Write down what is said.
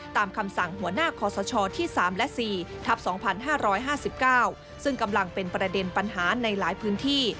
คำสั่งหัวหน้าคอสชที่๓และ๔ทับ๒๕๕๙ซึ่งกำลังเป็นประเด็นปัญหาในหลายพื้นที่